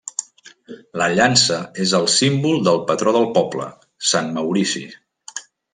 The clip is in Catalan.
La llança és el símbol del patró del poble, Sant Maurici.